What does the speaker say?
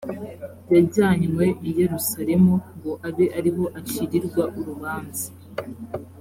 yajyanywe i yerusalemu ngo abe ari ho acirirwa urubanza